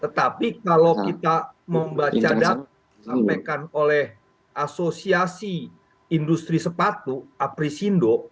tetapi kalau kita membaca data disampaikan oleh asosiasi industri sepatu aprisindo